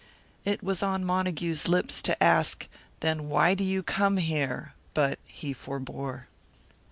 It was on Montague's lips to ask, "Then why do you come here?" But he forbore.